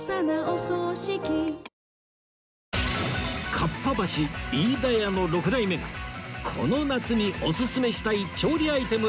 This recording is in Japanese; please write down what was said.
かっぱ橋飯田屋の６代目がこの夏におすすめしたい調理アイテム